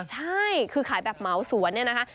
ใช่คือขายแบบเหมาสวนเนี่ยนะคะ